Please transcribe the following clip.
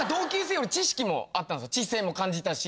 知性も感じたし。